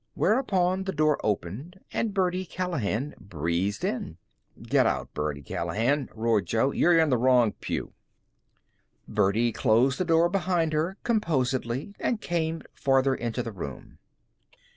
Whereupon the door opened and Birdie Callahan breezed in. "Get out, Birdie Callahan," roared Jo. "You're in the wrong pew." Birdie closed the door behind her composedly and came farther into the room.